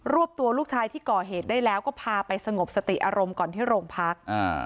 วบตัวลูกชายที่ก่อเหตุได้แล้วก็พาไปสงบสติอารมณ์ก่อนที่โรงพัก